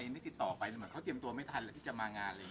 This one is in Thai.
อินเตอร์ติดต่อไปจะเป็นเหมือนเขาเตรียมตัวไม่ทัน